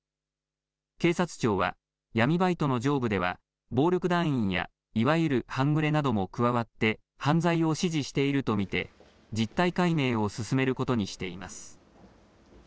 警察庁は、闇バイトの上部では、暴力団員やいわゆる半グレなども加わって犯罪を指示していると見て、実態解明を進めることにしています。